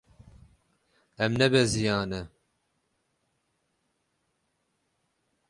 Em nebeziyane.